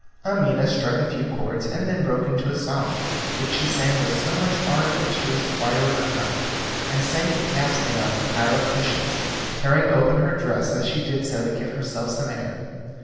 Amina struck a few chords and then broke into a song, which she sang with so much ardour that she was quite overcome, and sank gasping on a pile of cushions, tearing open her dress as she did so to give herself some air.